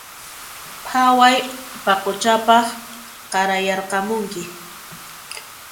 Phaway paquchapaq qarayarqamunki